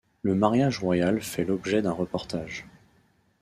Le mariage royal fait l'objet d'un reportage.